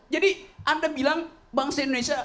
anda bilang bangsa indonesia